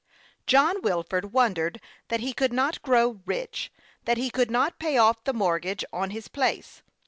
John Wilford wondered that he could not grow rich, that he could not pay off the mortgage on his place.